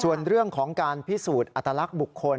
ส่วนเรื่องของการพิสูจน์อัตลักษณ์บุคคล